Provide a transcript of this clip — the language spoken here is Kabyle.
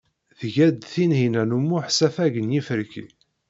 Tga-d Tinhinan u Muḥ safag n yiferki.